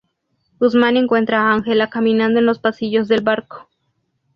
Guzmán encuentra a Ángela caminando en los pasillos del barco.